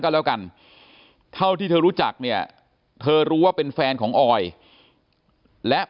ก็แล้วกันเท่าที่เธอรู้จักเนี่ยเธอรู้ว่าเป็นแฟนของออยและ